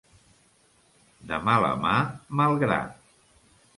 De mala mà, mal gra.